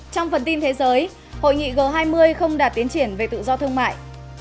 trong phần tin thế giới hội nghị g hai mươi không đạt tiến triển về tự do thương mại